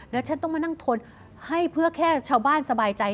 แล้วฉันต้องมานั่งทนให้เพื่อแค่ชาวบ้านสบายใจ